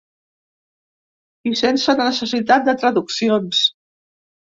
I sense necessitat de traduccions.